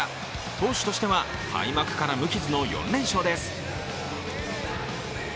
投手としては開幕から無傷の４連勝です。